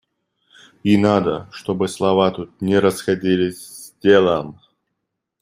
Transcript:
И надо, чтобы слова тут не расходились с делом.